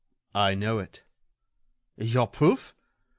"I know it." "Your proof?"